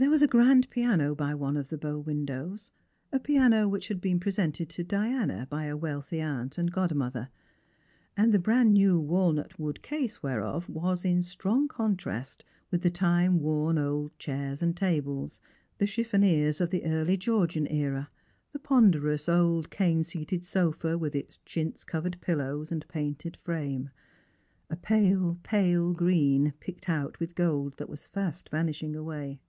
There was a grand piano by one of the bow windows, a piano which had been presented to Diana by a wealthy aunt and godmother, and the brand new walnut wood case whereof was in strong contrast with the time worn old chairs and tables; the chetfoniers of the early Georgian era; the ponderous old cane seated sofa, with its chintz covered pillows and painted frame — a pale, pale green picked out with gold that was fast vanishing away.